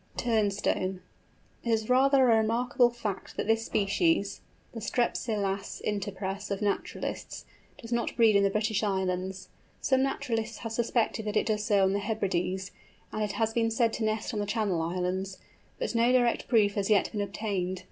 TURNSTONE. It is rather a remarkable fact that this species, the Strepsilas interpres of naturalists, does not breed in the British Islands. Some naturalists have suspected that it does so on the Hebrides, and it has been said to nest on the Channel Islands, but no direct proof has yet been obtained.